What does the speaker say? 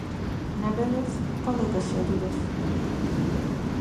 Не бегав, полека си отидов.